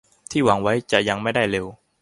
ที่หวังไว้จะยังไม่ได้เร็ว